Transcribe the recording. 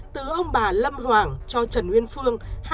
từ ông bà lâm hoàng cho trần nguyên phương